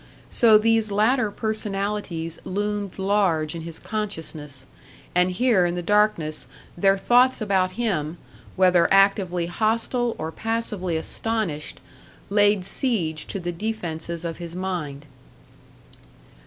So these latter personalities loomed large in his consciousness, and here in the darkness their thoughts about him, whether actively hostile or passively astonished, laid siege to the defences of his mind.